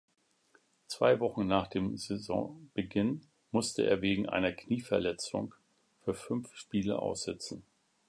Zwei Wochen nach dem Saisonbeginn musste er wegen einer Knieverletzung für fünf Spiele aussetzen.